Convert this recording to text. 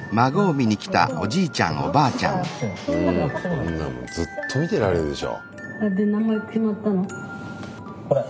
こんなんずっと見てられるでしょ。